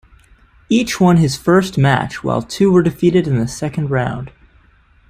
Each won his first match, while two were defeated in the second round.